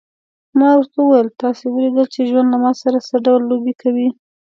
ما ورته وویل: تاسي ولیدل چې ژوند له ما سره څه ډول لوبې کوي.